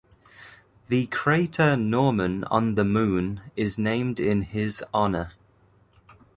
The crater Norman on the Moon is named in his honour.